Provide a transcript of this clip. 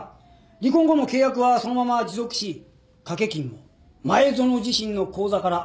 離婚後も契約はそのまま持続し掛け金も前園自身の口座から落ちているそうだ。